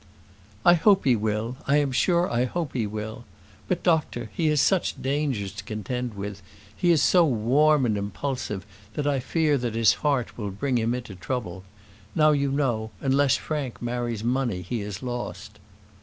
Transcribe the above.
"I hope he will; I am sure I hope he will. But, doctor, he has such dangers to contend with; he is so warm and impulsive that I fear his heart will bring him into trouble. Now, you know, unless Frank marries money he is lost."